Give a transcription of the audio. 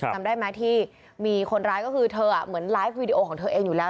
จำได้ไหมที่มีคนร้ายก็คือเธอเหมือนไลฟ์วีดีโอของเธอเองอยู่แล้ว